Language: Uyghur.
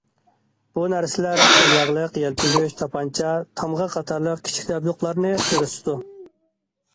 بۇ نەرسىلەر قول ياغلىق، يەلپۈگۈچ، تاپانچا، تامغا... قاتارلىق كىچىك جابدۇقلارنى كۆرسىتىدۇ.